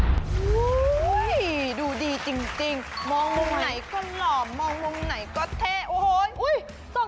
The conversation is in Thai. โอ้ยดูดีจริงมองไหนก็หล่อมองลงไหนก็แท้โอ้โฮส่ง